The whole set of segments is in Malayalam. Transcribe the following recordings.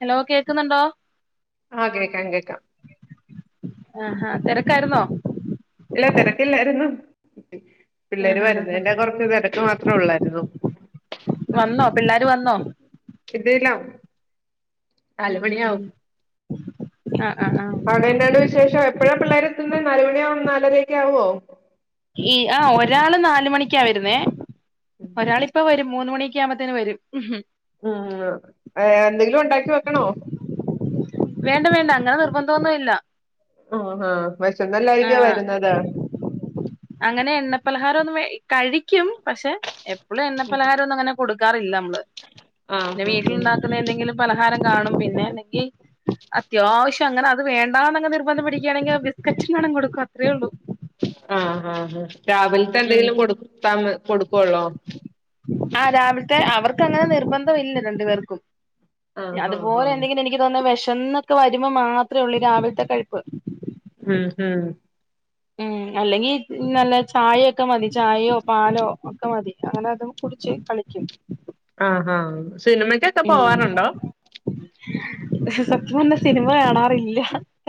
ഹലോ കേക്കുന്നുണ്ടോ ആഹ് കേക്കാം കേക്കാം ആ ഹാ തിരക്കാരുന്നോ. ഇല്ല തിരക്കില്ലാരുന്നു. പിള്ളേര് ആഹ് ഹാ ഹാ വരുന്നേന്റെ കൊറച്ച് തിരക്ക് മാത്രം ഒള്ളാരുന്നു. വന്നോ പിള്ളേര് വന്നോ. കിടിലം ഉം ഉം ഉം നാലുമണിയാവും. ആഹ് ആഹ് ആഹ് അവിടെ എന്തുണ്ട് വിശേഷം. എപ്പോഴാ പിള്ളേരെ എത്തുന്നെ. നാല് മണിയാവും നാലരയൊക്കെ ആവുമോ. ഈ ആഹ് ഒരാള് നാല് മണിക്കാ വരുന്നേ. ഉം ഒരാളിപ്പം വരും മൂന്ന് മണിയൊക്കെ ആകുമ്പത്തേന് വരും. ഉം. ഉം ഉം എന്തെങ്കിലും ഉണ്ടാക്കി വെക്കണോ വേണ്ട വേണ്ട അങ്ങനെ നിർബന്ദൊന്നും ഇല്ല. ആഹ് ആഹ് വിശന്നല്ലായിരിക്കോ ആഹ് വരുന്നത് അങ്ങനെ എണ്ണപ്പലഹാരം ഒന്നും കഴിക്കും. പക്ഷെ എപ്പോഴും എണ്ണപ്പലഹാരം ഒന്നും അങ്ങനെ കൊടുക്കാറില്ല നമ്മള്. പിന്നെ ആഹ് ആഹ് വീട്ടിലുണ്ടാക്കുന്ന എന്തെങ്കിലും പലഹാരം കാണും. പിന്നെ അല്ലെങ്കിൽ അത്യാവശ്യം അങ്ങെനെ അത് വേണ്ടാന്നങ്ങ് നിർബന്ധം പിടിക്കുകയാണെങ്കിൽ ബിസ്കറ്റെങ്ങാണം കൊടുക്കും അത്രേയൊള്ളു. ആഹ്, ആഹ്, ആഹ് രാവില്ത്തെ ഉം എന്തെങ്കിലും കൊടുത്താ കൊട്ക്കൊള്ളോ? ആഹ് രാവില്ത്തെ അവർക്ക് അങ്ങെനെ നിർബെന്ധവില്ല രണ്ടു പേർക്കും. ആഹ് ആഹ് അത്പോലെ ആഹ് എന്തെങ്കിലും എനിക്ക് തോന്ന്ന്നു വെശന്നൊക്കെ വരുമ്പോ മാത്രേള്ളു ഈ രാവിലെത്തെ കഴ്‌പ്പ്. ഉം, ഉം ഉം അല്ലെങ്കി നല്ലെ ചായയൊക്കെ മതി ചായയോ പാലോ ഒക്കെ മതി അങ്ങെനെ അതും കുട് ച്ച് കളിക്കും. ആഹ്, ആഹ് സിനിമകൊക്ക് ഉം സത്യംപർഞ്ഞ സിനിമകാണാറില്ല.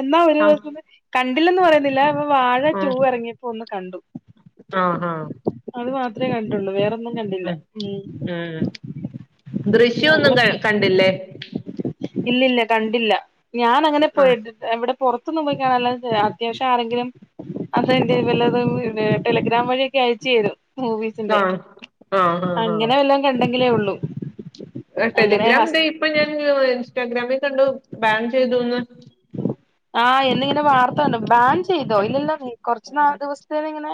എന്നാ ഒര് ആഹ് ദിവസന്ന് കണ്ടില്ലന്ന് പറയുന്നില്ല അപ്പം വാഴ ടൂ ആഹ് ഇറങ്ങിയപ്പോ ഒന്ന് കണ്ടു. ആഹ്, ആഹ് അത് മാത്രേ കണ്ടൊള്ളു വേറൊന്നും കണ്ടില്ല ഉം. ഉം അങ്ങനെ ദൃശ്യെന്നും കണ്ടില്ലേ? ഇല്ലില്ല കണ്ടില്ല ഞാൻ അങ്ങനെ ആഹ് പോയെത് എവടെ പൊർത്ത്ന്നും പോയിക്കാണല്ല അത്യാവശ്യം ആരെങ്കിലും അത് സെന്റെയ്യും അല്ലാതെയും ടെലെഗ്രാം വഴിയൊക്കെ അയച്ചെരും മൂവിസിന്റെ ആഹ് ആഹ് ആഹ് അങ്ങെനെ വല്ലോം കണ്ടെങ്കിലൊള്ളു. ആഹ് ടെലിഗ്രാം ഇതെ ഇപ്പൊ ഞാൻ ഇൻസ്റ്റാഗ്രാമിൽ കണ്ടു ബാൻ ചെയ്യ്തൂന്ന്. ആഹ് എന്നിങ്ങെനെ വാർത്ത കണ്ടു ബാൻ ചെയ്യ്തോ ഇല്ലല്ലോ കൊർച്ചു ന്നാള് ദിവസ്ത്തേ ഇങ്ങെനെ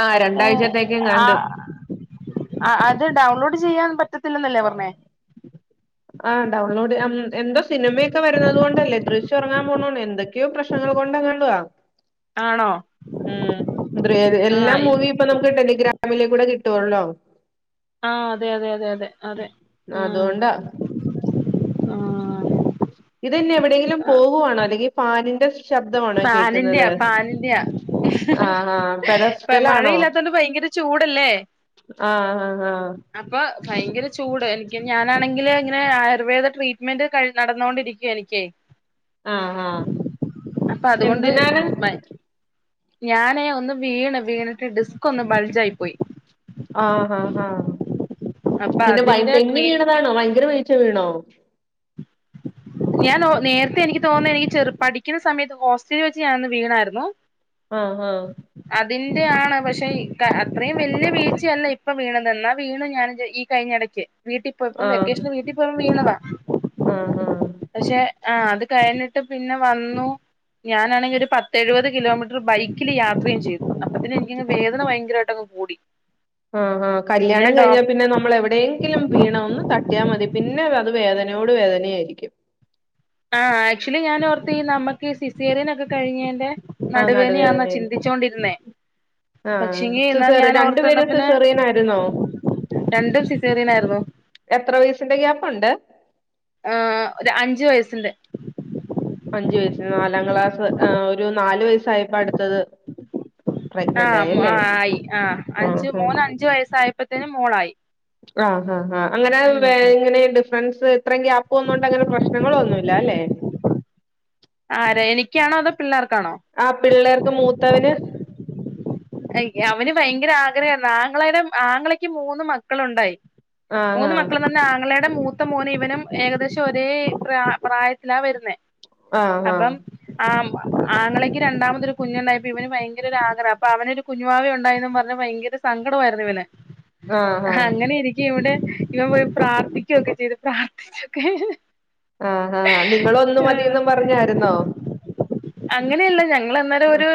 ആഹ് ഏഹ്, രണ്ടാഴ്ചത്തേക്കെങ്ങാണ്ട് ആഹ്, ആഹ്, ആഹ് ഇത് ഡൗൺലോഡ് ചെയ്യാൻ പറ്റത് ആഹ് ഡൗൺലോഡ് അം എന്തോ സിനിമയൊക്കെ വെരുന്നത് എന്തോ സിനിമയൊക്കെ വരണത് കൊണ്ടല്ലേ ദൃശ്യം ഇറങ്ങാൻ പോണോണ് എന്തൊക്കെയോ പ്രശ്നങ്ങൾ കൊണ്ടങ്ങാണ്ടുവ. ആണോ ഉം ദൃ എല്ലാ ആഹ് ഇ മൂവിം ഇപ്പം നമുക്ക് ടെലിഗ്രാമിലെകൂടെ കിട്ടുവോലോ? ആഹ് അതെ, അതെ, അതെ, അതെ അതെ ഉം അതുകൊണ്ടാ ആഹ്. ഇതെന്നെ എവിടെയെങ്കിലും പോകുവാണോ അല്ലെങ്കിൽ ഫാനിന്റെ ശബ്ദമാണോ കേൾക്ക്ന്നത് ഫാനിന്റെയാ ഫാനിന്റെയാ ആഹ്, ആഹ് പെര ഇപ്പം മഴയില്ലാത്തോണ്ട് ഭയങ്കരെ ചൂടല്ലേ? ആഹ്, ആഹ്, ആഹ്. അപ്പൊ ഭയങ്കെരെ ചൂട് എനിക്ക് ഞാനാണെങ്കില് ഇങ്ങെനെ ആയുർവേദ ട്രീറ്റ്മെന്റ് നടന്നോണ്ടിരിക്കുവ എനിക്കെ. ആഹ്, ആഹ് അപ്പം അത്കൊണ്ട് എന്തിനാണ് മ ഞാനേ ഒന്ന് വീണ് വീണിട്ട് ഡിസ്ക്കൊന്ന് ബൾജായി പോയി. ആഹ് ആഹ് ആഹ് അപ്പൊ പിന്നെ ബൈ അതിന്റെ തെന്നി ട്രീറ്റ് വീണതാണോ ഭയങ്കെര വീഴ്ച വീണോ? ഞാന് ഒ നേരത്തെ എനിക്ക് തോന്ന്ന്നു എനിക്ക് ചെറു പഠിക്കുന്ന സമയത്ത് ഹോസ്റ്റലിൽ വെച്ച് ഞാനൊന്ന് വീണായിര്ന്നു. ആഹ്, ആഹ് അതിന്റെ ആണ് പക്ഷെ അത്രേം വെല്ല്യ വീയ്‌ച്ചയല്ല ഇപ്പ വീണത് ന്നാ വീണു ഞാന് ഇത് ഇ കയിഞ്ഞ എടക്ക് വീട്ടിപോയപ്പോ ആഹ് വെക്കേഷെന് വീട്ടി പോയപ്പോ വീണതാ. ആഹ്, ആഹ് പക്ഷെ ആ അത് കഴ്‌ഞ്ഞിട്ട് പിന്നെ വന്നു. ഞാനാണെങ്കി ഒര് പത്ത് എഴുവെത് കിലോമീറ്ററ് ബൈക്കില് യാത്രീം ചെയ്തു അപ്പത്തിന് എൻക്കങ് വേദന ഭയങ്കരായിട്ടങ്ങ് കൂടി. ആഹ്, ആഹ് പിന്നെ കല്ല്യാണം ഡോക് കഴ്‌ഞ്ഞാ പിന്നെ നമ്മള് എവടെം ങ്കിലും വീണ ഒന്ന് തട്ടിയാ മതി പിന്നെ അത് വേദനയോട് വേദനയായിര്ക്ക്യും ആ ആക്ച്വലി ഞാനോർത്ത് ഈ നമ്മക്കീ സിസേറിയെന് ഒക്കെ കഴ്‌ഞ്ഞേന്റെ ആഹ് നടു വേനായാന്നാ നടുവേദനയായിരിക്കും ചിന്തിച്ചോണ്ടിര്ന്നേ. ആഹ് പക്ഷെങ്കി ന്നാ സിസേറി ഞാൻ ഓർത്ത് ന്നാ രണ്ടുപേരും പിന്നെ സിസേറിയൻ ആയിരുന്നോ രണ്ടും സിസേറിയെനായ്‌ര്ന്നു. എത്ര വയസിന്റെ ഗ്യാപ്പുണ്ട് ആഹ് ഒരു അഞ്ചു വയസിന്റെ അഞ്ചു വയസ് നാലാം ക്ലാസ് ആ ഒരു നാലു വയസ്സായപ്പ അടുത്തത് പ്രഗ്നന്റ് ആയി ആഹ് ആ അല്ലേ ആയി ആഹ് അഞ്ച് മോന് അഞ്ചു വയസ്സായപ്പത്തേന് മോളായി ആ ഹാ ഹാ അങ്ങനെ ഉം വെ ഉം ഇങ്ങനെ ഇട് ഫ്രണ്ട്സ് ഇത്രേം ഗ്യാപ്പ് വന്നോണ്ട് അങ്ങനെ പ്രശ്നങ്ങള് ഒന്നുല്ല അല്ലെ ആരെ എനിക്കാണോ അതോ പിള്ളേർക്കാണോ ആ പിള്ളേർക്ക് മൂത്തവന് അവന് ഭയങ്കര ആഗ്രഹെര്ന്നു ആങ്ങളയുടെ ആങ്ങളക്ക് മൂന്ന് മക്കളുണ്ടായി ആഹ് മൂന്ന് മക്കള്ന്ന ആങ്ങളെടെ മൂത്ത മോനും ഇവനും ഏകദേശം ഒരേ പ്രാ പ്രായത്തിലാ വര്ന്നേ ആഹ് അപ്പം ആഹ് ആ ആങ്ങളേക്ക് രണ്ടാമതൊരു കുഞ്ഞുണ്ടായപ്പോ ഇവന് ഭയങ്കര ഒരാഗ്രഹം ഇപ്പ അവനൊരു കുഞ്ഞുവാവ ഉണ്ടായീന്നും പർഞ്ഞ് ഭയങ്കര സങ്കടോയിരുന്നു ഇവന് ആഹ് ആഹ് ആഹ് അങ്ങനെരി ഇവടെ ഇവൻ പോയി പ്രാർത്ഥിക്കൊക്കെ ചെയ്ത് പ്രാർത്ഥിച്ചൊക്കെ ആ ഹാ നിങ്ങള് ഒന്ന് മതീന്നും പർഞ്ഞായിര്ന്നോ അങ്ങനെല്ല ഞങ്ങള് അന്നേരം ഒരു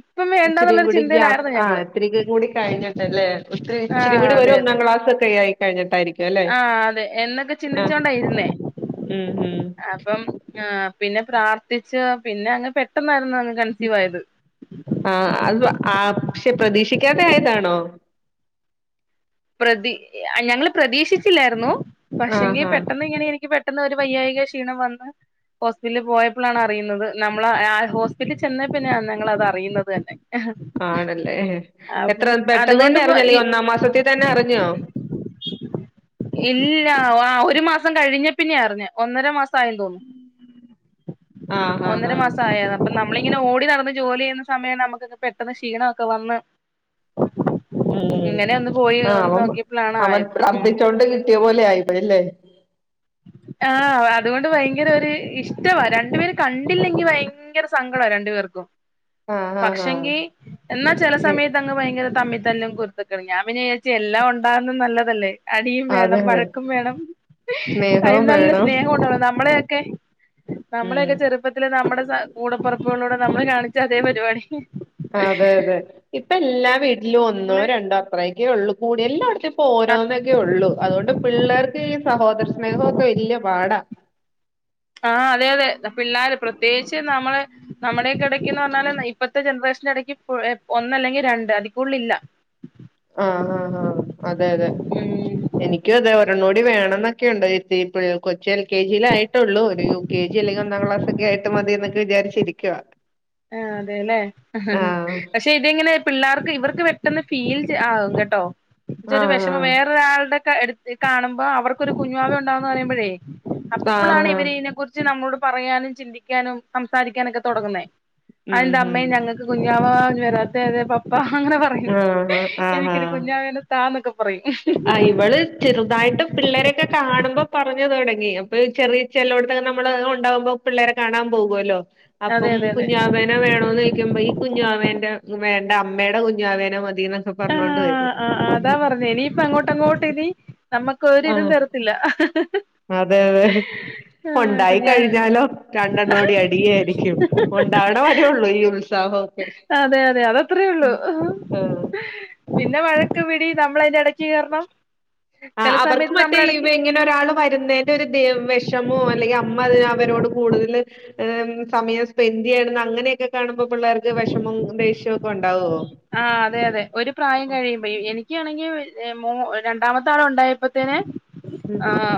ഇപ്പം ഇച്ചരിയും വേണ്ടാന്നുള്ളൊരു കൂടി ഗ്യാപ്പ് ചിന്തയിലായിരുന്നു ആ ഞങ്ങള് ഇത്തിരിയും കൂടി കഴിഞ്ഞിട്ടല്ലേ ഇത്തിരി ഇച്ചിരി ആഹ് കൂടി ഒരു ഒന്നാം ക്ലാസ് ഒക്കെ ആയി കഴിഞ്ഞിട്ടായിരിക്കു അല്ലേ ആ അതെ എന്നൊക്കെ ചിന്തിച്ചൊണ്ടാ ഇര്ന്നേ ഉം ഉം അ അപ്പം പിന്നെ പ്രാർത്ഥിച്ച് പിന്നെ അങ്ങ് പെട്ടെന്നായിരുന്നു അങ്ങ് കൺസീവായത് ആ അത് ആക്ഷെ പ്രതീക്ഷിക്കാതെ ആയതാണോ പ്രതി ഞങ്ങള് പ്രതീക്ഷിച്ചില്ലായിര്ന്നു ആഹ് പക്ഷെങ്കി ആഹ് പെട്ടെന്ന് ഇങ്ങനെ എനിക്ക് പെ ട്ടെന്ന് ഒര് വയ്യായിക ക്ഷീണം വന്ന് ഹോസ്പിറ്റലി പോയപ്പളാണ് അറിയുന്നത് നമ്മള് ഹോസ്പിറ്റലി ചെന്നേ പിന്നെയാ ഞങ്ങളത് അറിയുന്നത് തന്നെ ആണല്ലേ എത്ര അപ്പം പെട്ടെന്ന് അതുകൊണ്ട് തന്നെ ഇപ്പ അറിഞ്ഞോ അല്ലെ ഇ ഒന്നാം മാസത്തി തന്നെ അറിഞ്ഞോ [inaudible] ഇല്ല ആ ഒരു മാസം കഴിഞ്ഞെ പിന്നെ അർഞ്ഞെ ഒന്നര മാസം ആയൂന്ന് തോന്നുന്നു ആഹ് ആഹ് ഒന്നര ആഹ് മാസം ആയത അപ്പ നമ്മളിങ്ങനെ ഓടി നടന്ന് ജോലി ചെയ്യുന്ന സമയം നമുക്കൊക്ക പെട്ടെന്ന് ക്ഷീണൊക്കെ വന്ന് ഉം ഇങ്ങനെ ഒന്ന് പോയി ആ ഒന്ന് അവം നോക്കിയപ്പോഴാണ് അവൻ ആയത് ഉം പ്രാർത്ഥിച്ചോണ്ട് കിട്ടിയ പോലെ ആയിപ്പോയല്ലേ ആ അതുകൊണ്ട് ഭയങ്കര ഒരു ഇഷ്ടവാ രണ്ടുപേര് കണ്ടില്ലെങ്കി ഭയ ങ്കര സങ്കട രണ്ടു പേർക്കും ആഹ് ആഹ് ആഹ് പക്ഷെങ്കി എന്നാ ചെല നി സമയത്ത് ഭയങ്കര തമ്മി തല്ലും കുരുത്തക്കേടും ഞാൻ പിന്നെ വിചാരിച്ച് എല്ലാം ഒണ്ടാവുന്നത് നല്ലതല്ലേ അടിയും വേണം അതെ അതെ വഴക്കും വേണം അതി സ്നേഹവും നല്ല വേണം സ്നേഹം ഉണ്ടാകുള്ളു നമ്മളെയൊക്കെ- ഉം നമ്മളെയൊക്കെ ചെറുപ്പത്തില് നമ്മുടെ കൂടെപ്പെറപ്പുകളോട് നമ്മള് കാണിച്ച അതേ പരിപാടി- അതെ അതെ ഇപ്പ എല്ലാ വീട്- ഇല്ല ഒന്നോ ഇവള് രണ്ടോ അത്രയൊക്കെ ഉള്ളൂ കൂടി എല്ലാം അടുത്തപ്പോ ഓരോന്നൊക്കെ ഉള്ളു അതുകൊണ്ട്- പിള്ളേർക്ക് ഈ സഹോദര സ്നേഹവൊക്കെ വലിയ പാടാ ആഹ് അതെ അതെ പിള്ളാര് പ്രത്യേകിച്ച് നമ്മള് നമ്മുടെക്കെ എടക്ക് പറഞ്ഞാല് ഇപ്പഴത്തെ ജനറേഷൻ ഇടയ്ക്ക് ഒന്ന് അല്ലെങ്കിൽ രണ്ട് അതിക്കൂടുതലില്ല ആഹ് ആഹ് ആഹ് അതെ അതെ ഉം എനിക്കും അതെ ഒരെണ്ണം കൂടി വേണോന്ന് ഒക്കെയുണ്ട് ചേച്ചി ഇപ്പഴ് കൊച്ച് എൽ കെ ജി യിലായിട്ട്- ട്ടുള്ളൂ ഒരു യു കെ ജി അല്ലെങ്കി ഒന്നാംക്ലാസ് ഒക്കെ ആയിട്ട് മതിയൊക്കെ വിചാരിച്ചിരിക്കുക ആ അതെല്ലേ പക്ഷെ ഇത് ഇങ്ങനെ പിള്ളേർക്ക് ഇവർക്ക് പെട്ടെന്ന് ഫീൽ ആകും കേട്ടോ എന്ന് വെച്ച ഒരു ആഹ് വിഷമം വേറൊരാളുടെ- എടുത്ത് കാണുമ്പോ അവർക്കൊരു കുഞ്ഞുവാവ ഉണ്ടാവുയെന്ന് പറയുമ്പോഴേ ആഹ് അപ്പഴാണ് ആഹ് ഇവര് ഇതിനെ കുറിച്ച്- ച്ച് നമ്മളോട് പറയാനും ചിന്തിക്കാനും സംസാരിക്കാനൊക്കെ തൊടങ്ങുന്നേ അതെന്താ ഉം അമ്മെ ഉം ഞങ്ങൾക്ക് കുഞ്ഞു വാവ വരാത്ത അതെ പപ്പ അങ്ങനെ പറ - റയും ആഹ് എനിക്കൊരു കുഞ്ഞാവെനെ താ എന്നൊക്കെ പറയും ആ ഇവള്- ചെറുതായിട്ട് പിള്ളേരൊക്കെ കാണുമ്പോ പറഞ്ഞത് തൊടങ്ങി അപ്പൊ ചെറിയ ചെലൊടുത്തൊക്കെ നമ്മള് ഉണ്ടാകുമ്പോ- പിള്ളേരെ കാണാൻ പോകുവല്ലോ അതെ അപ്പം അതെ അതെ കുഞ്ഞുവാവേ - വേണോന്ന് ചോയിക്കുമ്പോ ഈ കുഞ്ഞാവാവേന്റെ വേണ്ട അമ്മടെ കുഞ്ഞാവേനെ മതിന്ന് - ആഹാ ആഹ് ആഹ് അതാ പറഞ്ഞേ ഇനിയിപ്പ അങ്ങോട്ട് അങ്ങോട്ട് ഇനി- നമ്മുക്ക് ഒരിതും ആഹ് തരിത്തില്ല അതെ അതെ ഒണ്ടായി കുഞ്ഞാവേന്ന് കഴിഞ്ഞാലോ രണ്ടെണ്ണോടി അടിയായിരിക്കും ഉണ്ടണ്ട് അ [unintelligible] വിടെ വരുള്ളൂ ഈ ഉ [unintelligible] അതെ അതെ അത് അത്രേ ഉള്ളു ആഹ് പിന്നെ വഴക്ക് പിടി നമ്മള് അതിന്റെ ഇടക്ക്‌ - ചേർന്ന് ആഹ് ചെല അവർക്ക് സമയത്ത് മറ്റേ നമ്മള് ഇവ എടയ്ക്ക് - ഇങ്ങനെ ഒരാള് വരുന്നതിന്റെ ഒരു വിഷമോ അല്ലെങ്കിൽ അമ്മ അവരോട് കൂടുതല് - സമയം സ്പെൻഡ് ചെയ്യണോന്ന് അങ്ങനെയൊക്കെ കാണുമ്പോ പിള്ളേർക്ക് വിഷമം ദേഷ്യവും ഒക്കെ ഉ ഒണ്ടാവോ ആഹ് അതെ അതെ ഒരു പ്രായം കഴിയുമ്പോ എനിക്കാണെങ്കിൽ മു രണ്ടാമത്തെ ആള് ഒണ്ടായപ്പോ- തനെ [unintelligible] ഉം ആഹാ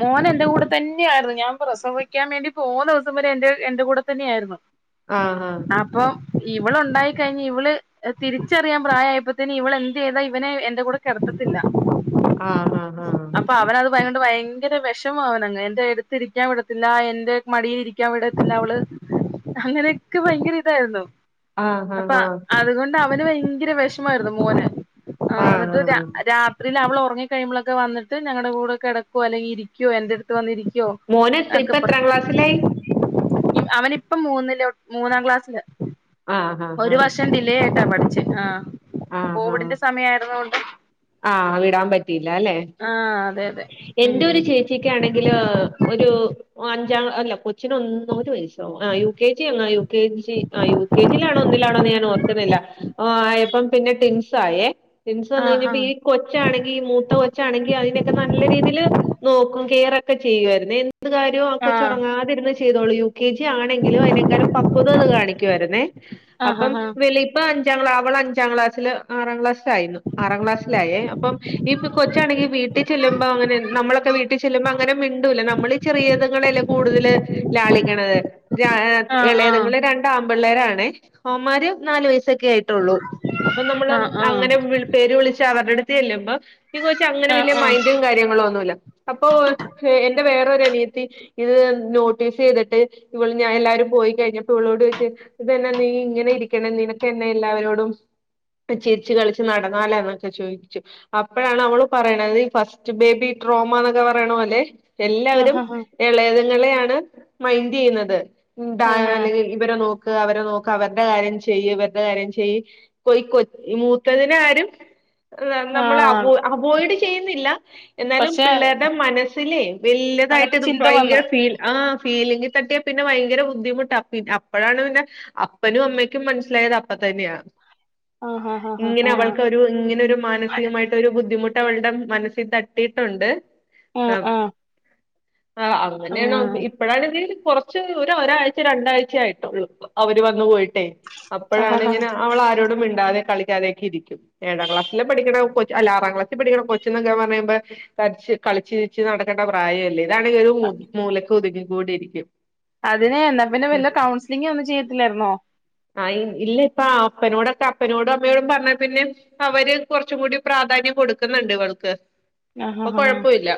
മോൻ എന്റെ കൂടെ തന്നെ ആയിരുന്നു ഞാൻ പ്രസവിക്കാൻ വേണ്ടി പോന്ന ദിവസം വരെ എന്റെ എന്റെ കൂടെ തന്നെ ആയിരുന്നു ആഹ് ഹാ അപ്പം ഇവള് ഒണ്ടായി കഴിഞ് ഇവള് - തിരിച്ചറിയാൻ പ്രായമായപ്പോത്തേന് ഇവള് എന്ത് ചെയ്തു ഇവനെ എന്റെ കൂടെ- കെടത്തില്ല ആഹ് ആഹ് അപ്പൊ അവന് അത് - ഇപ്പൊ അത്കൊണ്ട് ഭയങ്കര വെഷമവാ അവനങ്ങ് എന്റെ എടുത്തിരിക്കാൻ വിടത്തില്ല എന്റെ മടിൽ ഇരിക്കാൻ വിടത്തില്ല അവള് - അങ്ങനെയൊക്കെ ഭയങ്കര ഇതായിരുന്നു ആഹ് ആഹ് അപ്പൊ ആഹ് ആഹ് അതുകൊണ്ട് അവന് ഭയങ്കര വെഷമായിരുന്നു മോന് ആഹ് അന്നിട്ട് രാ- ത്രിയില് അവള് ഒറങ്ങിക്കഴിയുമ്പോ ഒക്കെ വന്നിട്ട് ഞങ്ങളടെ കൂടെ കെടക്കുവോ അല്ലെങ്കി ഇരിക്കുവോ എന്റെടുത്ത് വന്നിരിക്കുവോ- മോന് ഒക്കെ ഇപ്പ എത്രാം പറയും ക്ലാസ്സിലായി അവനിപ്പം മൂന്നില് ലൊ മൂന്നാം ക്ലാസ്സില് ആഹ് ആഹ് ഒരു ആഹ് വർഷം ഡിലേ ആട്ടാ പഠിച്ചെ ആ കോവിഡിന്റെ സമയായിരുന്നു കൊണ്ട് ആ വിടാൻ പറ്റിയില്ല അല്ലെ ആ അതെ അതെ ഉം.. ക്യാണെങ്കിലോ ഒരു അഞ്ച അല്ല ഒരു വയസ്സോ ആഹ് യു. കെ. ജി എന്നോ യു. കെ. ജി ആഹ് യു. കെ. ജിയിലാണോ ഒന്നിലാണോ ഞാൻ ഓർക്കുന്നില്ല ആ ആയപ്പം പിന്നെ ടിൻസ് ആയേ ടിൻസ് വന്ന് കഴിഞ്ഞ് ആഹാ അപ്പൊ ഈ കൊച്ചാണെങ്കിൽ ഈ മൂത്ത കൊച്ചാണെങ്കിൽ അതിനൊക്കെ നല്ല രീതിയിൽ നോക്കും കെയറൊക്കെ ചെയ്യുവായിരുന്നു എ എന്ത് കാര്യവും ആഹ് ആ കൊച്ചുറങ്ങാതിരുന്ന് ചെയ്തോളിയൂ ട്ടി ജെ ആണെങ്കിലും [unintelligible] പക്കെത കാണിക്കാരുന്നേ ആ ഹ അപ്പം ഹ വലി ഇപ്പം അഞ്ചാം ക്ളാ അവൾ അഞ്ചാം ക്ലാസിൽ ആറാം ക്ലാസ്സിലായിരുന്നു ആറാം ക്ലാസ്സിലായേ അപ്പം ഈ കൊച്ചാണെങ്കിൽ വീട്ടിൽ ചെല്ലുമ്പോ അങ്ങനെ നമ്മളൊക്കെ വീ വീട്ടിൽ ചെല്ലുമ്പോ അങ്ങനെ മിണ്ടൂല നമ്മൾ ചെറിയത്ങ്ങളല്ലേ കൂടുതല് ലാളിക്കണത് ആ ആ ഇളയതങ്ങള്ൾ രണ്ട് ആ മ്പിള്ളേരാണ് അവൻന്മാര് നാല് വയസ്സൊക്കെ ആയി ട്ടുള്ളൂ അപ്പൊ നമ്മള് ആ ആ അങ്ങനെ പേര് വിളിച്ചാ അവരുടെട്ത്ത് ചെല്ലുമ്പോ ഈ കൊച്ച്അങ്ങനെ ആ ആ വലിയ ഈ ഈ കെച്ച് അങ്ങനെ വല്ല്യ ആ മൈൻഡും കാര്യങ്ങളും ഒന്നുമല്ല അപ്പോ എന്റെ വേറൊരു അനിയത്തി ഇത് നോട്ടീസ് ചെയ്തിട്ട് ഇവള് ഇത് ഇത് നോട്ടീസ് ചെയ്തിട്ട് ഇവള് എല്ലാരും പോയിക്കഴിഞ്ഞപ്പോ ഇവളോട് ചോദിച്ചു ഇത്ന്നെ നീ ഇങ്ങനെ ഇരിക്കണ നീനൊക്കെ എന്നന്നെ എല്ലാവരോടും ചിരിച്ചു കളിച്ച് നടന്നാല എന്ന ചോദിച്ചു അപ്പഴാണ് അവള് പറയണത് ഈ ഫസ്റ്റ് ബേബി ട്രോമ എന്നൊക്കെ പറയണ പോലെ എല്ലാവരും ഹ ഹ ഇളയതങ്ങളെയാണ് മൈൻഡ്യയ്യുന്നത് ആ ഹ ഇവരെ നോക്ക [unintelligible] അവരെ നോക്ക് അവരുടെ കാര്യം ചെയ്യ് ഇവരുടെ കാര്യം ചെയ്യ് കൊയ് കൊ മൂത്തതിന ആരും ആ നമ്മളെ അവോയ്ഡ് ചെയ്യുന്നില്ല എന്നാലും പക്ഷെ പിള്ളേരുടെ മനസ്സിലെ അങ്ങനെ വല്ല്യതായിട്ട് ഇത് ചിന്ത വന്ന് ഭയങ്കര ഫീൽ ആഹ് ഫീലിംഗ് തട്ടിയാ പിന്നെ ഭയങ്കര ബുദ്ധിമുട്ടാ പി അപ്പഴാണ് പിന്നെ അപ്പനും അമ്മയ്ക്കും മനസ്സിലായത് അപ്പ തന്നെയാ ആ ഹ ഹ ഹ ഇങ്ങനെ ആ അവൾക്ക് ഒരു ഇങ്ങനെരു മാനസികമായിട്ട് ഒരു ബുദ്ധിമുട്ട് അവളുടെ മനസ്സിൽ തട്ടിയിട്ടുണ്ട് ആ ആഹ് ആ ആഹ് ആ അങ്ങനെയാണ് ഇപ്പഴാണെങ്കിൽ കുറച്ച് ഒ ഒരാഴ്ച രണ്ടാഴ്ച ആയിട്ടുള്ളൂ അവര് വന്നു പോയിട്ടേ ആ ഹ അപ്പയാണ് ഹ ഇങ്ങനെ അവള് ആരോടും മിണ്ടാതെ കളിക്കാതെ ഒക്കെ ഇരിക്കും ഏഴാം ക്ലാസ് നല്ല പഠിക്ക്ണാ കൊച്ച് അല്ല ആറാം ക്ലാസിൽപഠിക്കണ കൊച്ച് എന്നൊക്കെ പറയുമ്പോ കളിച്ച് കളിച്ച് ച്ചിരിച്ച് നടക്കേണ്ട പ്രായമല്ലേ ഇതാണെങ്കിൽ ഒരു മൂലക്ക് ഒതുങ്ങി കൂടി ഇരിക്കും. അതിന് എന്നാ പിന്നെ ഉം വല്ല കൗൺസിലിംഗ് ഒന്നും ചെയ്ത്തില്ലായിരുന്നോ. ആഹ് ഇല്ല ഇപ്പാ അപ്പനോടൊക്കെ അപ്പനോടും അമ്മയോടും പറഞ്ഞാ പിന്നെ അവര് കുറച്ചും കൂടി പ്രാധാന്യം കൊടുക്കുന്നുണ്ട് ഇവൾക്ക് ആഹ് അപ്പൊ ആഹ് ആഹ് കൊഴപ്പല്ല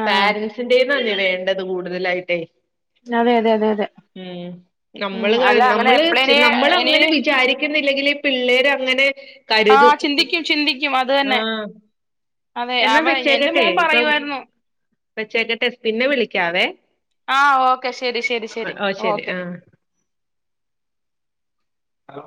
ആഹ് പാരൻറ്സിന്റെന്നാന്നീ വേണ്ടത് കൂടുതലായിട്ടേ അതെ അതെ അതെ അതെ ഉം ഉം നമ്മള് അല്ല അങ്ങനെ നമ്മള് എപ്പളേന് നമ്മള് അങ്ങനെ ഇനിന് വിചാരിക്ക ല്ലെങ്കിൽ പിള്ളേര് അങ്ങനെ കരുതും ആഹ് ചിന്തിക്കും ചിന്തിക്കും അത് തന്നെ ആഹ് അതെ എന്നാ അവ എന്റെ മോൻ പറയു വായിരുന്നു വെച്ചെക്കട്ടെ പിന്നെ വിളിക്കാവേ ആഹ് ഓക്കെ ശരി ശരി ശരി ഓക്കെ ഹലോ